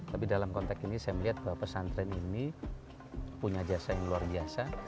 tapi dalam konteks ini saya melihat bahwa pesantren ini punya jasa yang luar biasa